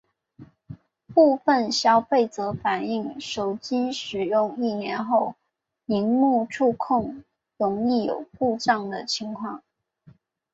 部份消费者反应手机使用一年后萤幕触控容易有故障的情况。